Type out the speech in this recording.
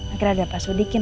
akhirnya ada pasudikin